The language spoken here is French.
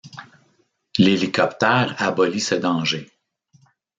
L'hélicoptère abolit ce danger.